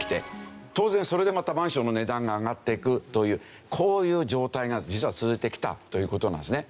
当然それでまたマンションの値段が上がっていくというこういう状態が実は続いてきたという事なんですね。